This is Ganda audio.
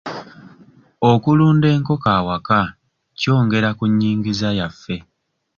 Okulunda enkoko awaka kyongera ku nnyingiza yaffe.